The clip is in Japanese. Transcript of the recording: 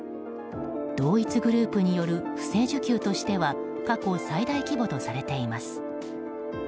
同一グループによる不正受給としては過去最大規模とされています。